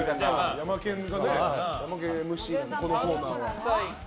ヤマケンＭＣなのでこのコーナーは。